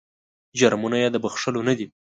جرمونه یې د بخښلو نه دي.